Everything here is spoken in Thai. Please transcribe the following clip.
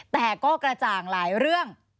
แต่ก็กระจ่างหลายเรื่อง